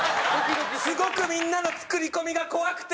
すごくみんなの作り込みが怖くて。